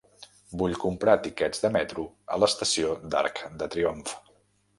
Vull comprar tiquets de metro a l'estació d'Arc de Triomf.